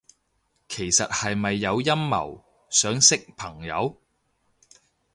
其實係咪有陰謀，想識朋友？